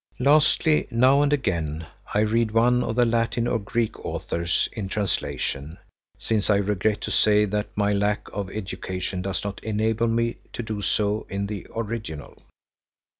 Lastly now and again I read one of the Latin or Greek authors in a translation, since I regret to say that my lack of education does not enable me to do so in the original.